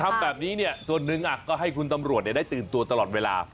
ทำแบบนี้เนี่ยส่วนหนึ่งก็ให้คุณตำรวจได้ตื่นตัวตลอดเวลา